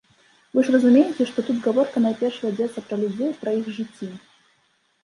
Вы ж разумееце, што тут гаворка найперш вядзецца пра людзей, пра іх жыцці.